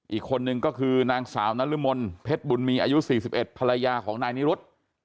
อีกคนนึงก็คือนางสาวนรมนเพชรบุญมีอายุ๔๑ภรรยาของนายนิรุธ